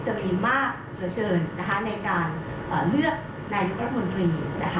จะมีมากเกินในการเลือกนายุทธ์รัฐมนตรี